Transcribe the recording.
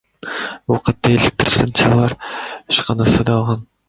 Бул катты Электр станциялар ишканасы да алган.